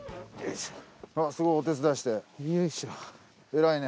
すごいお手伝いして偉いね。